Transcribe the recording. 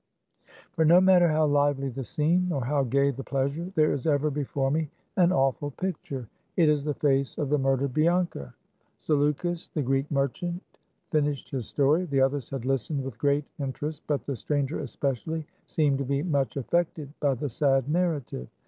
• For no matter how lively the scene, nor how gay the pleasure, there is ever before me an awful picture. It is the face of the murdered Bianca. THE CAB AVAN. 153 Zaleukos, the Greek merchant, finished his story. The others had listened with great inter est ; but the stranger, especially, seemed to be much affected by the sad narrative.